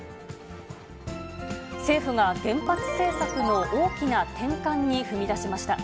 政府が原発政策の大きな転換に踏みだしました。